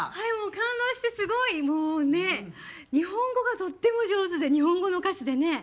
感動して、すごい！日本語がとっても上手で日本語の歌詞でね。